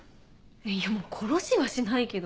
いや殺しはしないけど。